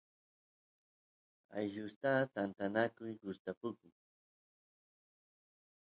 allusta tantanaku gustapukun